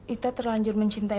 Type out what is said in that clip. ita terlanjur mencintai